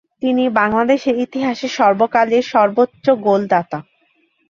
তিনি বাংলাদেশের ইতিহাসের সর্বকালের সর্বোচ্চ গোলদাতা।